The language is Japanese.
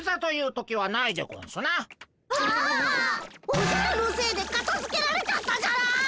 おじゃるのせいでかたづけられちゃったじゃない！